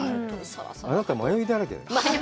あなた、迷いだらけ。